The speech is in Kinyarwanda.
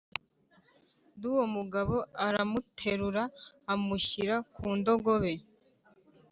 d Uwo mugabo aramuterura amushyira ku ndogobe